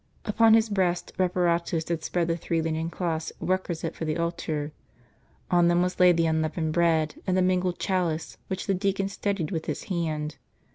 Upon his breast Reparatus had spread the three linen cloths requisite for the altar ; on them was laid M the unleavened bread, and the mingled chalice, which the deacon steadied with his hand.